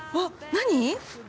何？